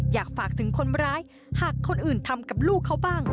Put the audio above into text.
อยากฝากถึงคนร้ายหากคนอื่นทำกับลูกเขาบ้าง